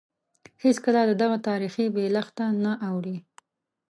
هېڅکله له دغه تاریخي بېلښته نه اوړي.